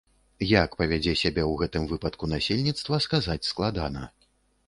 Як павядзе сябе ў гэтым выпадку насельніцтва, сказаць складана.